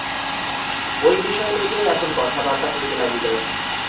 ঐ বিষয় লইয়াই এখন কথাবার্তা হইতে লাগিল।